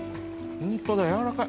本当だ、やわらかい。